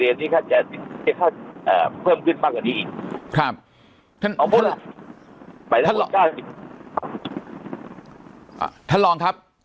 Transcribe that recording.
เรียนนี้ก็จะเอ่อเพิ่มขึ้นมากกว่านี้อีกครับท่านท่านท่านลองครับ